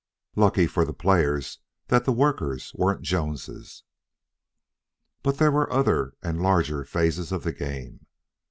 Lucky for the players that the workers weren't Joneses. But there were other and larger phases of the game.